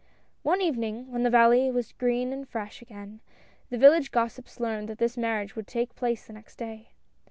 One evening, when the valley was green and fresh again, the village gossips learned that this marriage would take place the next day.